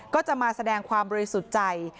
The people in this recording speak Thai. ก็จะมาแสดงความบริสุทธิ์ใจ